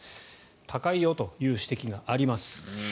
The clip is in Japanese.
高いよという指摘があります。